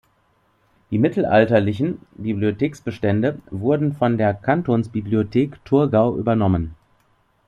Die mittelalterlichen Bibliotheksbestände wurden von der Kantonsbibliothek Thurgau übernommen.